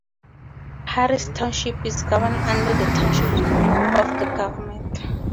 Harrison Township is governed under the Township form of government.